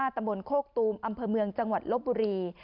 ตำบลโคกตูมอำเภอเมืองจังหวัดลบบุรี